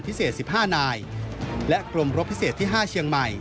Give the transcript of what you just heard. ๑๕นายและกรมรบพิเศษที่๕เชียงใหม่